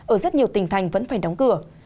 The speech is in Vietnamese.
ở rất nhiều tỉnh thành vẫn phải đóng cửa